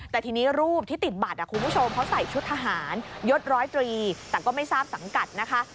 แต่ทีนี้รูปที่ติดบัตรคุณผู้ชมเขาใส่ชุดทหารยศร้อยตรีแต่ก็ไม่ทราบสังกัดนะคะ